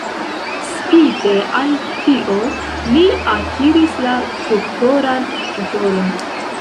Spite al tio, li akiris la doktoran titolon.